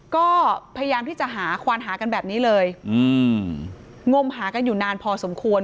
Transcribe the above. ก็พยายามที่จะหาควานหากันแบบนี้เลยอืมงมหากันอยู่นานพอสมควร